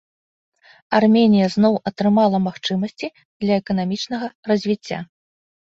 Арменія зноў атрымала магчымасці для эканамічнага развіцця.